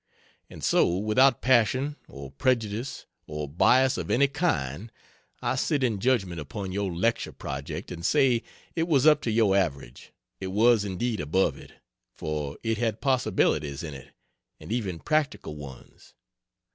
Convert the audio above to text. And so, without passion, or prejudice, or bias of any kind, I sit in judgment upon your lecture project, and say it was up to your average, it was indeed above it, for it had possibilities in it, and even practical ones.